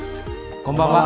こんばんは。